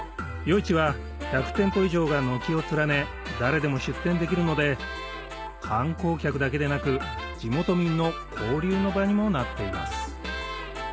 市は１００店舗以上が軒を連ね誰でも出店できるので観光客だけでなく地元民の交流の場にもなっています